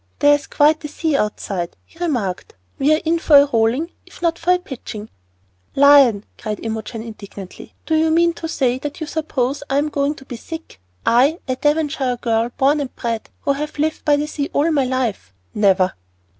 "There's quite a sea on outside," he remarked. "We're in for a rolling if not for a pitching." "Lion!" cried Imogen, indignantly. "Do you mean to say that you suppose I'm going to be sick, I, a Devonshire girl born and bred, who have lived by the sea all my life? Never!"